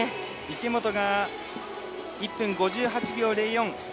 池本が１分５８秒０４。